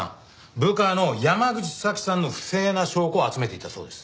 部下の山口早希さんの不正の証拠を集めていたそうです。